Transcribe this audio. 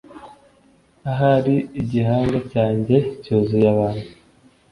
Ahari igihanga cyanjye cyuzuye abantu